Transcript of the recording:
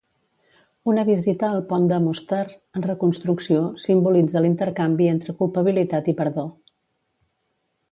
Una visita al pont de Mostar, en reconstrucció, simbolitza l'intercanvi entre culpabilitat i perdó.